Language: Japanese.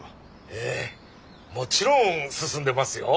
ええもちろん進んでますよ。